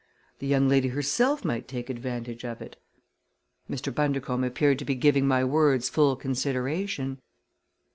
The young lady herself might take advantage of it." Mr. Bundercombe appeared to be giving my words full consideration.